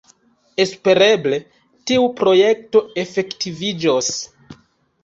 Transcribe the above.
Espereble, tiu projekto efektiviĝos.